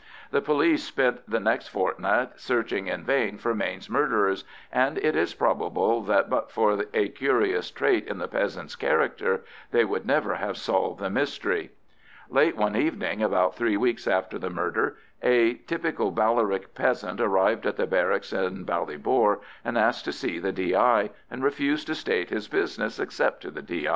The police spent the next fortnight searching in vain for Mayne's murderers, and it is probable that, but for a curious trait in the peasant's character, they would never have solved the mystery. Late one evening, about three weeks after the murder, a typical Ballyrick peasant arrived at the barracks in Ballybor and asked to see the D.I., and refused to state his business except to the D.